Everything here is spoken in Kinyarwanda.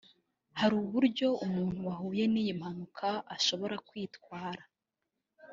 Hari uburyo umuntu wahuye n’iyi mpanuka ashobora kwitwara